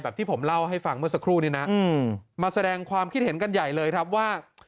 ที่ผมเล่าให้ฟังเมื่อสักครู่นี้นะมาแสดงความคิดเห็นกันใหญ่เลยครับว่า